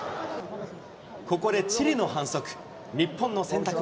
ここでチリの反則。